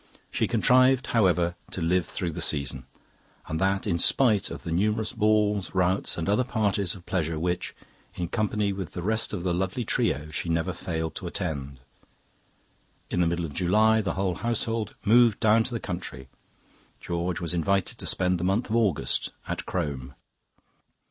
"She contrived, however, to live through the season, and that in spite of the numerous balls, routs, and other parties of pleasure which, in company with the rest of the lovely trio, she never failed to attend. In the middle of July the whole household moved down to the country. George was invited to spend the month of August at Crome.